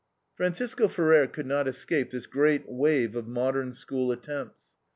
" Francisco Ferrer could not escape this great wave of Modern School attempts.